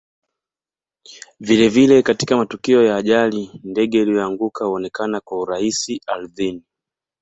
Vile vile katika matukio ya ajali ndege iliyoanguka huonekana kwa urahisi ardhini